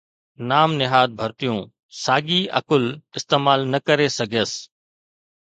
نام نهاد ڀرتيون، ساڳي عقل استعمال نه ڪري سگهيس.